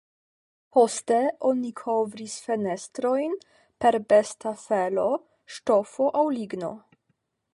Poste, oni kovris fenestrojn per besta felo, ŝtofo aŭ ligno.